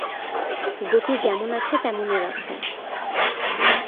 গতি যেমন আছে তেমনই রাখো।